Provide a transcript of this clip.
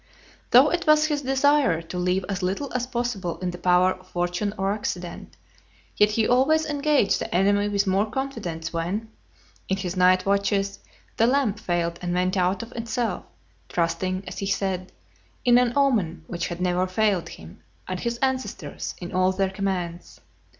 Though it was his desire to leave as little as possible in the power of fortune or accident, yet he always engaged the enemy with more confidence when, in his night watches, the lamp failed and went out of itself; trusting, as he said, in an omen which had never failed him and his ancestors (206) in all their commands.